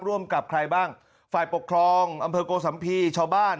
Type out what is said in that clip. ร่วมกับใครบ้างฝ่ายปกครองอำเภอโกสัมภีร์ชาวบ้าน